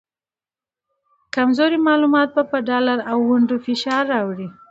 کمزوري معلومات به په ډالر او ونډو فشار راوړي